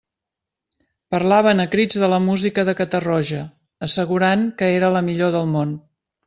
Parlaven a crits de la música de Catarroja, assegurant que era la millor del món.